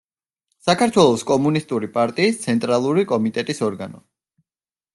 საქართველოს კომუნისტური პარტიის ცენტრალური კომიტეტის ორგანო.